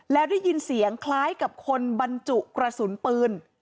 แล้วได้ยินเสียงคล้ายกับคนบรรจุกระสุนปืน